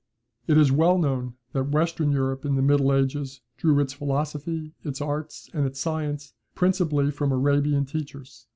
It is well known that Western Europe in the Middle ages drew its philosophy, its arts, and its science, principally from Arabian teachers.